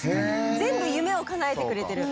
全部夢を叶えてくれてる。